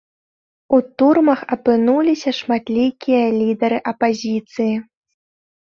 У турмах апынуліся шматлікія лідары апазіцыі.